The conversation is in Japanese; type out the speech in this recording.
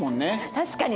確かに。